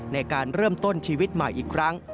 ในการเริ่มต้นชีวิตใหม่อีกครั้ง